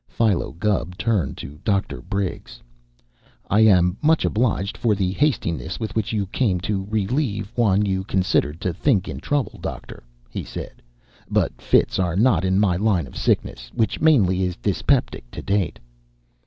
Philo Gubb turned to Dr. Briggs. "I am much obliged for the hastiness with which you came to relieve one you considered to think in trouble, doctor," he said, "but fits are not in my line of sickness, which mainly is dyspeptic to date."